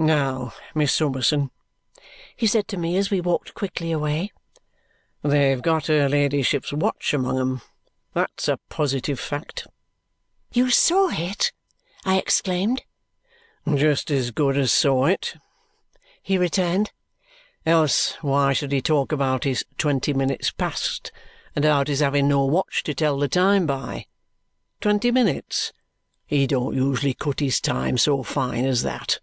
"Now, Miss Summerson," he said to me as we walked quickly away. "They've got her ladyship's watch among 'em. That's a positive fact." "You saw it?" I exclaimed. "Just as good as saw it," he returned. "Else why should he talk about his 'twenty minutes past' and about his having no watch to tell the time by? Twenty minutes! He don't usually cut his time so fine as that.